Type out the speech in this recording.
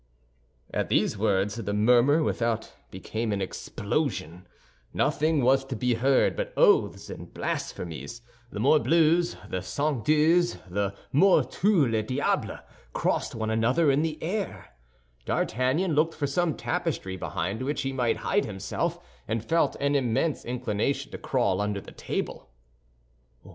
At these words, the murmur without became an explosion; nothing was to be heard but oaths and blasphemies. The morbleus, the sang Dieus, the morts touts les diables, crossed one another in the air. D'Artagnan looked for some tapestry behind which he might hide himself, and felt an immense inclination to crawl under the table.